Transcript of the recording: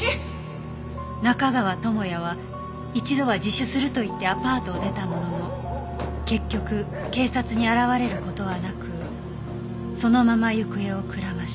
「中川智哉は一度は自首すると言ってアパートを出たものの結局警察に現れる事はなくそのまま行方をくらました」